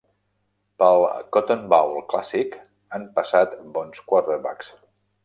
Pel Cotton Bowl Classic han passat bons quarterbacks.